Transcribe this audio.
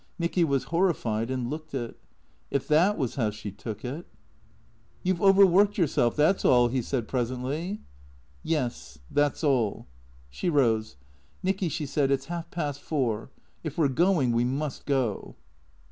Nicky was horrified and looked it. If that was how she took it " You Ve overworked yourself. That 's all," he said pres ently. "Yes. That's all." She rose. " Nicky," she said, " it 's half past four. If we 're going we must go."